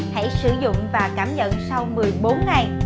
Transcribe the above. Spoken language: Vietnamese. hãy sử dụng và cảm nhận sau một mươi bốn ngày